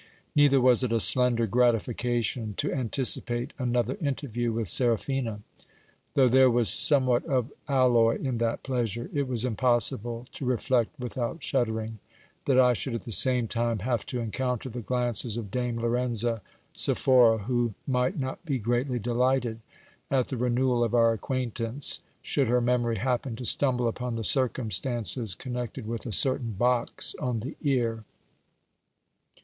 Neither was it a slender gratification to anti cipate another interview with Seraphina ; though there was somewhat of alloy in that pleasure : it was impossible to reflect without shuddering, that I should at the same time have to encounter the glances of Dame Lorenza Sephora, who might not be greatly delighted at the renewal of our acquaintance, should her memory happen to stumble upon the circumstances connected with a certain box on the ear.